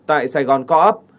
tại sài gòn co op